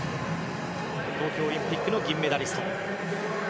東京オリンピックの銀メダリスト。